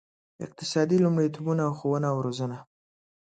اقتصادي لومړیتوبونه او ښوونه او روزنه.